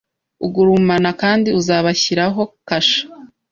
ugurumana Kandi uzabashyiraho kasha